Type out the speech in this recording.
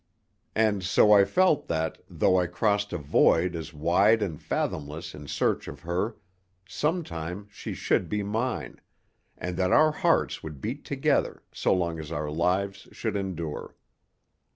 And, so I felt that, though I crossed a void as wide and fathomless in search of her, some time she should be mine and that our hearts would beat together so long as our lives should endure.